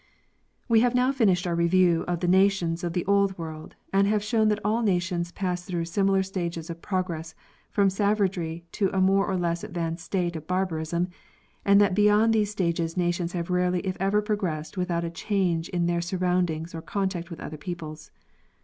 We have now finished our review of the nations of the Old World, and have shown that all nations pass through similar stages of progress from savagery to a more or less advanced state of barbatism, and that beyond these stages nations have rarely if ever progressed without a change in their surroundings or contact with other peoples.